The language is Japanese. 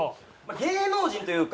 芸能人っていうか！